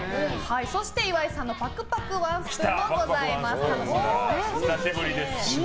そして岩井さんのパクパクワンスプーンもあります。